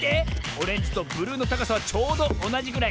オレンジとブルーのたかさはちょうどおなじぐらい。